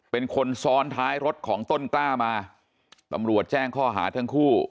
เป็นคนซ้อนท้ายรถของต้นกล้ามาตำรวจแจ้งข้อหาทั้งคู่